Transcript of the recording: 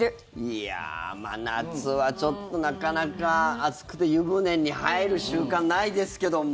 いやあ、真夏はちょっとなかなか暑くて湯船に入る習慣ないですけども。